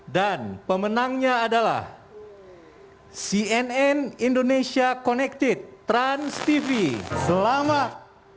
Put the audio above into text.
dan pemenangnya adalah cnn indonesia connected trans tv selamat